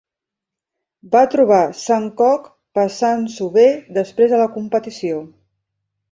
Va trobar Sang-ok passant-s'ho bé després de la competició.